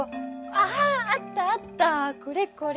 あああったあったこれこれ。